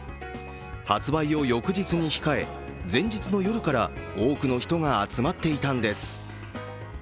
発売を翌日に控え、前日の夜から多くの人が集まっていたんです。